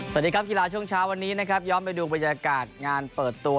สวัสดีครับกีฬาช่วงเช้าวันนี้นะครับย้อนไปดูบรรยากาศงานเปิดตัว